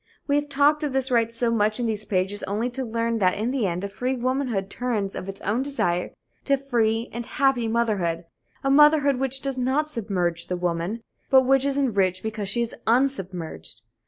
We have talked of this right so much in these pages, only to learn that in the end, a free womanhood turns of its own desire to a free and happy motherhood, a motherhood which does not submerge the woman, but which is enriched because she is unsubmerged.